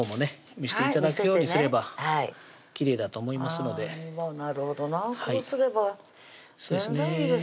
見せて頂くようにすればきれいだと思いますのでなるほどなこうすれば全然いいですよね